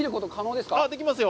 できますよ。